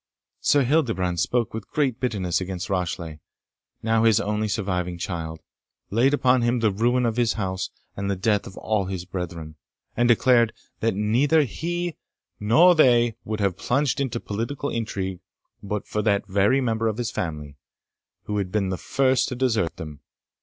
Sir Hildebrand spoke with great bitterness against Rashleigh, now his only surviving child; laid upon him the ruin of his house, and the deaths of all his brethren, and declared, that neither he nor they would have plunged into political intrigue, but for that very member of his family, who had been the first to desert them.